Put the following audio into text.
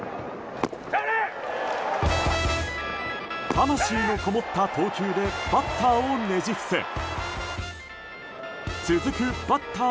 魂のこもった投球でバッターをねじ伏せ続くバッター